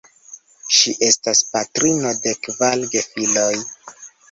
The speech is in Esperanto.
Ŝi estas patrino de kvar gefiloj.